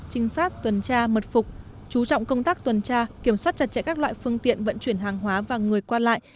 trinh sát tuần tra mật phục chú trọng công tác tuần tra kiểm soát chặt chẽ các loại phương tiện vận chuyển hàng hóa và người qua lại